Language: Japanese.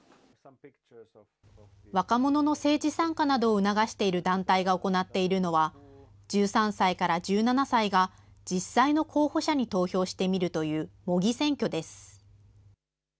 若者の政治参加などを促している団体が行っているのは、１３歳から１７歳が実際の候補者に投票してみるという模擬選挙です。